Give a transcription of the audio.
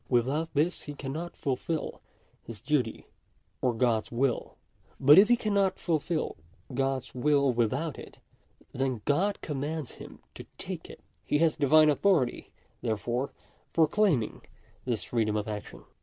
Without this he cannot fulfil his duty or God's will. But if he cannot fulfil God's will without it, then God commands him to take it. He has Divine authority, therefore, for claiming this freedom of action.